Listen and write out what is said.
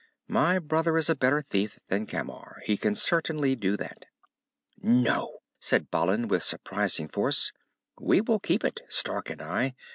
"My brother is a better thief than Camar. He can certainly do that." "No!" said Balin, with surprising force. "We will keep it, Stark and I.